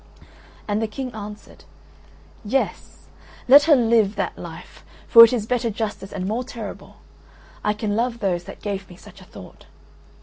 And the King answered: "Yes; let her live that life, for it is better justice and more terrible. I can love those that gave me such a thought."